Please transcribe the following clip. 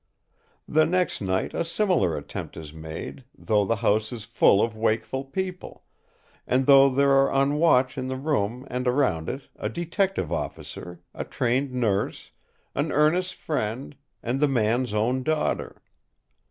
"The next night a similar attempt is made, though the house is full of wakeful people; and though there are on watch in the room and around it a detective officer, a trained nurse, an earnest friend, and the man's own daughter.